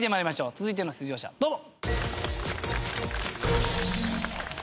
続いての出場者どうぞ。